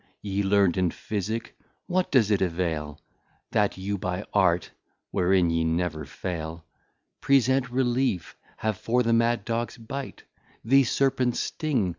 } Ye Learn'd in Physick, what does it avail, That you by Art (wherein ye never fail) Present Relief have for the Mad dogs Bite? The Serpents sting?